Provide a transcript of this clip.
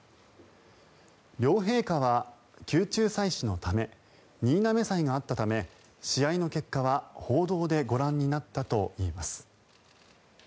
両陛下は宮中祭祀の新嘗祭があったため試合の結果は報道でご覧になったといいます。